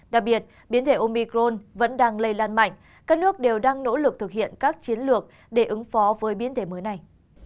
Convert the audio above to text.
đặc biệt biến thể omicron vẫn đang lây lan mạnh các nước đều đang nỗ lực thực hiện các chiến lược để ứng phó với biến thể mới này